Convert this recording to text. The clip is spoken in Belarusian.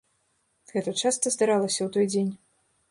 Гэта часта здаралася ў той дзень.